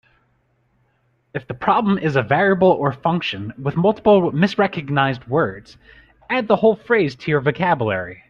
If the problem is a variable or function with multiple misrecognized words, add the whole phrase to your vocabulary.